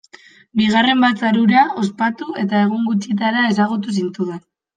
Bigarren batzar hura ospatu, eta egun gutxitara ezagutu zintudan.